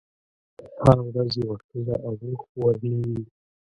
هره ورځ یوه ښځه او اوښ ورلېږي.